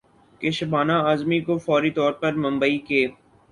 کہ شبانہ اعظمی کو فوری طور پر ممبئی کے